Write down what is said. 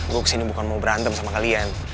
gue kesini bukan mau berantem sama kalian